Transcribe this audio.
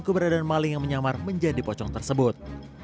keberadaan maling yang menyamar menjadi pocong tersebut